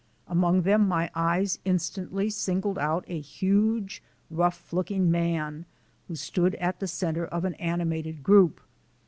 Among them my eyes instantly singled out a huge, rough looking man who stood at the centre of an animated group.